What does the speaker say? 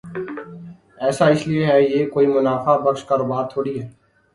ایسا اس لئے ہے کہ یہ کوئی منافع بخش کاروبار تھوڑی ہے۔